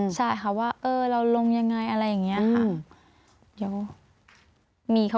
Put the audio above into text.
ใช่ค่ะว่าเราลงยังไงอะไรอย่างนี้ค่ะ